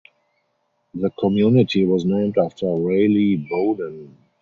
The community was named after Raleigh Bowden.